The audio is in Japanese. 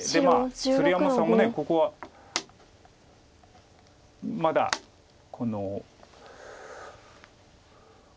鶴山さんもここはまだこの。